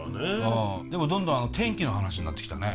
でもどんどん天気の話になってきたね。